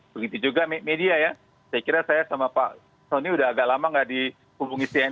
begitu juga media ya saya kira saya sama pak soni udah agak lama nggak dihubungi cnn